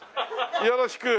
よろしく。